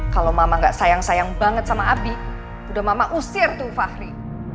kalau mama gak sayang sayang banget sama abi udah mama usir tuh fahri